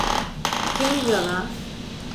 İki milyon ha!